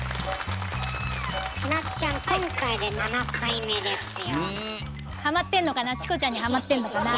ちなっちゃんハマってんのかなチコちゃんにハマってんのかな。